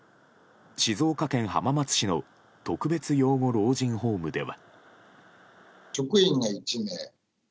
静岡県浜松市の特別養護老人ホームでは。